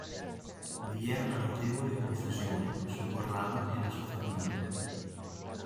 Vi è una notevole confusione su Corrado e la sua famiglia.